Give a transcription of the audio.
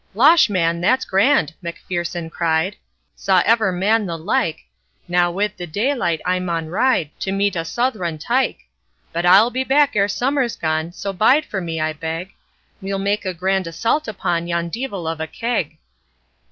'Losh, man, that's grand,' MacFierce'un cried, 'Saw ever man the like, Now, wi' the daylight, I maun ride To meet a Southron tyke, But I'll be back ere summer's gone, So bide for me, I beg, We'll make a grand assault upon Yon deevil of a keg.'